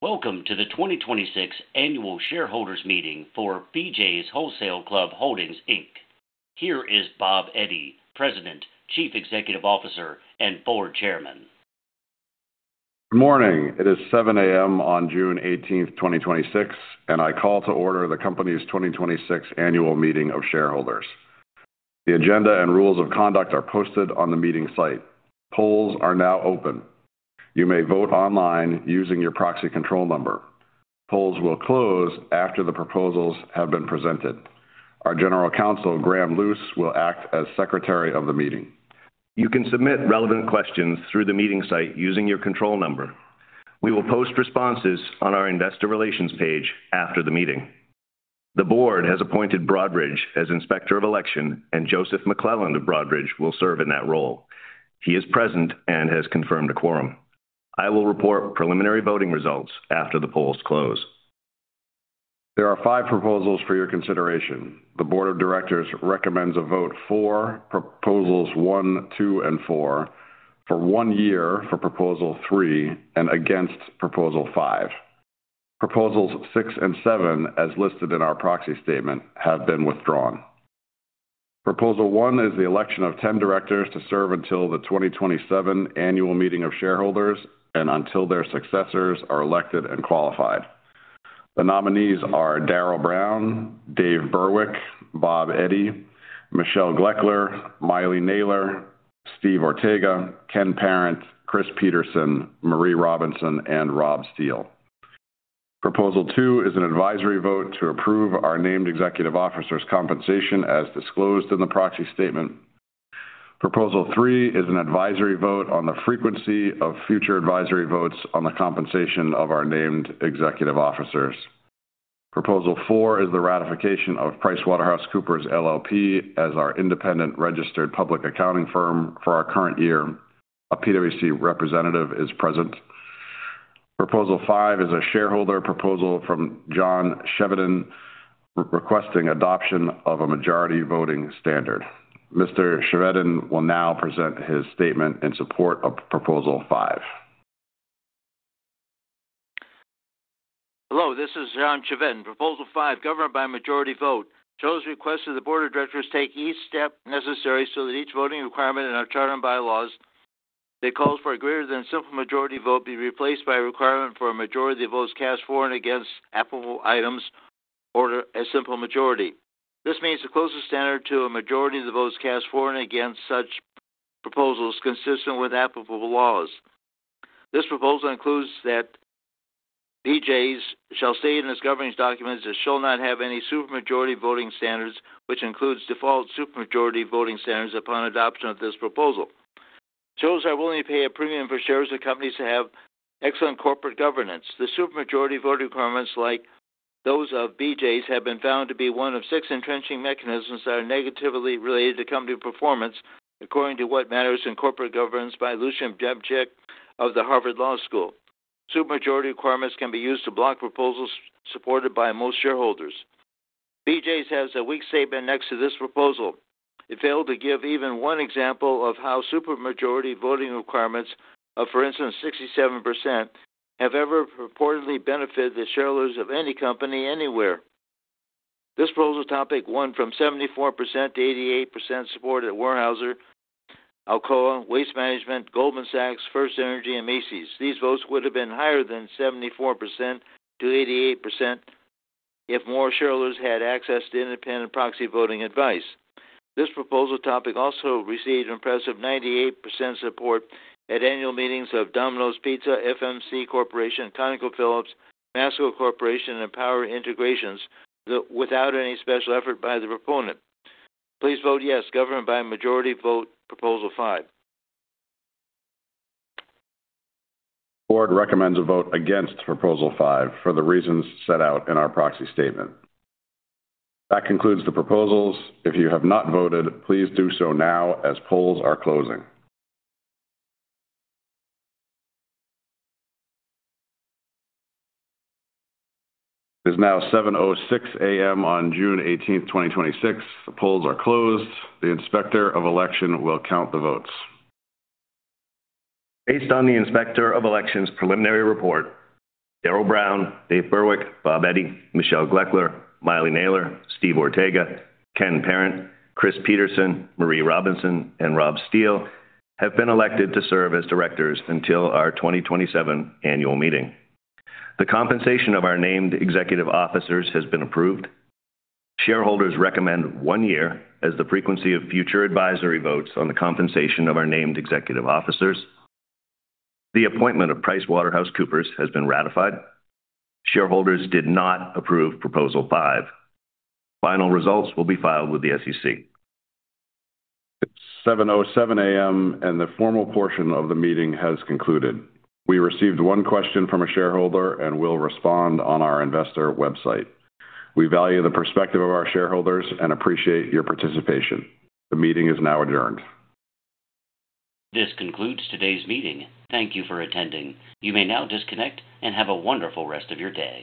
Welcome to the 2026 Annual Shareholders Meeting for BJ’s Wholesale Club Holdings, Inc. Here is Bob Eddy, President, Chief Executive Officer, and Board Chairman. Good morning. It is 7:00 A.M. on June 18th, 2026, and I call to order the company's 2026 Annual Meeting of Shareholders. The agenda and rules of conduct are posted on the meeting site. Polls are now open. You may vote online using your proxy control number. Polls will close after the proposals have been presented. Our General Counsel, Graham Luce, will act as Secretary of the meeting. You can submit relevant questions through the meeting site using your control number. We will post responses on our Investor Relations page after the meeting. The Board has appointed Broadridge as Inspector of Election, and Joseph McClelland of Broadridge will serve in that role. He is present and has confirmed a quorum. I will report preliminary voting results after the polls close. There are five proposals for your consideration. The Board of Directors recommends a vote for Proposals One, Two, and Four, for one year for Proposal Three, and against Proposal Five. Proposals Six and Seven, as listed in our proxy statement, have been withdrawn. Proposal One is the election of 10 Directors to serve until the 2027 Annual Meeting of Shareholders and until their successors are elected and qualified. The nominees are Darryl Brown, Dave Burwick, Bob Eddy, Michelle Gloeckler, Maile Naylor, Steven Ortega, Ken Parent, Chris Peterson, Marie Robinson, and Rob Steele. Proposal Two is an advisory vote to approve our named Executive Officers' compensation as disclosed in the proxy statement. Proposal Three is an advisory vote on the frequency of future advisory votes on the compensation of our named Executive Officers. Proposal Four is the ratification of PricewaterhouseCoopers, LLP as our independent registered public accounting firm for our current year. A PwC representative is present. Proposal Five is a shareholder proposal from John Chevedden, requesting adoption of a majority voting standard. Mr. Chevedden will now present his statement in support of Proposal Five. Hello, this is John Chevedden. Proposal Five, governed by majority vote, shows request that the Board of Directors take each step necessary so that each voting requirement in our charter and bylaws that calls for a greater than simple majority vote be replaced by a requirement for a majority of the votes cast for and against applicable items or a simple majority. This means the closest standard to a majority of the votes cast for and against such proposals consistent with applicable laws. This proposal includes that BJ’s shall state in its governance documents that it shall not have any super majority voting standards, which includes default super majority voting standards upon adoption of this proposal. Shareholders are willing to pay a premium for shares of companies that have excellent corporate governance. The super majority voting requirements like those of BJ’s have been found to be one of six entrenching mechanisms that are negatively related to company performance, according to What Matters in Corporate Governance by Lucian Bebchuk of the Harvard Law School. Super majority requirements can be used to block proposals supported by most shareholders. BJ’s has a weak statement next to this proposal. It failed to give even one example of how super majority voting requirements of, for instance, 67%, have ever purportedly benefited the shareholders of any company anywhere. This proposal topic won from 74%-88% support at Weyerhaeuser, Alcoa, Waste Management, Goldman Sachs, FirstEnergy, and Macy's. These votes would have been higher than 74%-88% if more shareholders had access to independent proxy voting advice. This proposal topic also received an impressive 98% support at Annual Meetings of Domino's Pizza, FMC Corporation, ConocoPhillips, Masco Corporation, and Power Integrations without any special effort by the proponent. Please vote yes. Govern by majority vote Proposal Five. The Board recommends a vote against Proposal Five for the reasons set out in our proxy statement. That concludes the proposals. If you have not voted, please do so now as polls are closing. It is now 7:06 A.M. on June 18th, 2026. The polls are closed. The Inspector of Election will count the votes. Based on the Inspector of Election's preliminary report, Darryl Brown, Dave Burwick, Bob Eddy, Michelle Gloeckler, Maile Naylor, Steven Ortega, Ken Parent, Chris Peterson, Marie Robinson, and Rob Steele have been elected to serve as directors until our 2027 Annual Meeting. The compensation of our named executive officers has been approved. Shareholders recommend one year as the frequency of future advisory votes on the compensation of our named Executive Officers. The appointment of PricewaterhouseCoopers has been ratified. Shareholders did not approve Proposal Five. Final results will be filed with the SEC. It's 7:07 A.M. The formal portion of the meeting has concluded. We received one question from a shareholder and will respond on our investor website. We value the perspective of our shareholders and appreciate your participation. The meeting is now adjourned. This concludes today's meeting. Thank you for attending. You may now disconnect and have a wonderful rest of your day.